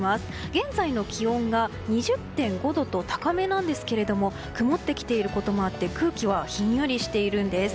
現在の気温が２０．５度と高めなんですけれども曇ってきていることもあって空気はひんやりしているんです。